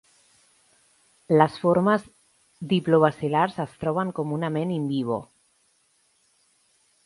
Les formes diplobacilars es troben comunament in vivo.